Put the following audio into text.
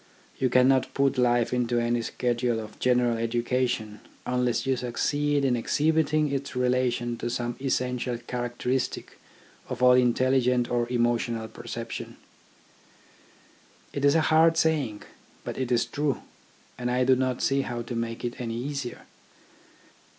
You cannot put life into any schedule of general education unless you succeed in exhibiting its relation to some essential character istic of all intelligent or emotional perception. It is a hard saying, but it is true; and I do not see how to make it any easier.